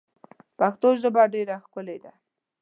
پښتو ژبه ډېره ښکلې ده.